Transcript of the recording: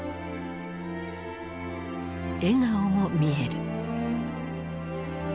笑顔も見える。